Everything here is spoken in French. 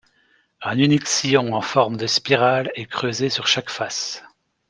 Un unique sillon en forme de spirale est creusé sur chaque face.